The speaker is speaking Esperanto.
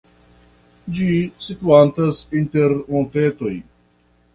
Ĝi situantas inter montetoj.